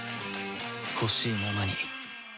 ほしいままに